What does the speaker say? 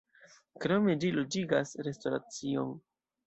Krome ĝi loĝigas restoracion.